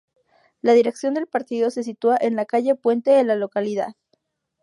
La dirección del partido se sitúa en la Calle Puente de la localidad.